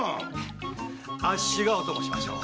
あっしがお供しましょう。